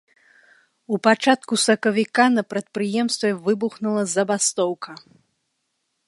У пачатку сакавіка на прадпрыемстве выбухнула забастоўка.